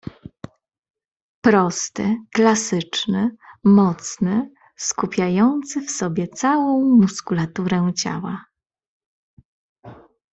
"Prosty, klasyczny, mocny, skupiający w sobie całą muskulaturę ciała."